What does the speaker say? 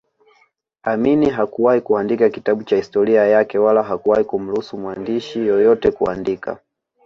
Amin hakuwahi kuandika kitabu cha historia yake wala hakuwahi kumruhusu mwandishi yeyote kuandika